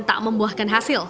tak membuahkan hasil